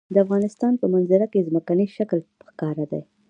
د افغانستان په منظره کې ځمکنی شکل ښکاره دی.